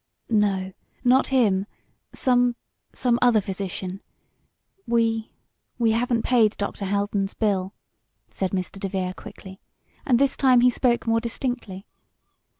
"No not him some some other physician. We we haven't paid Dr. Haldon's bill," said Mr. DeVere quickly, and this time he spoke more distinctly.